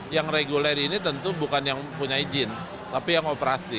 yang reguler ini tentu bukan yang punya izin tapi yang operasi